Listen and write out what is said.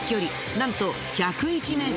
なんと１０１ｍ。